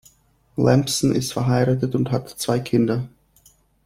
Lampson ist verheiratet und hat zwei Kinder.